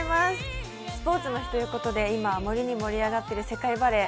スポーツの日ということで今、盛りに盛り上がっている世界バレー。